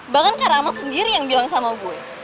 bahkan kak rahmat sendiri yang bilang sama gue